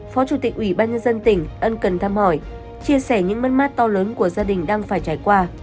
phó chủ tịch ủy ban nhân dân tỉnh ân cần thăm hỏi chia sẻ những mất mát to lớn của gia đình đang phải trải qua